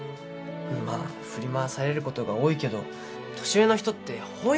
まあ振り回されることが多いけど年上の人って包容力があるんだよね。